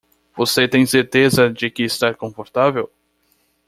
Você tem certeza de que está confortável?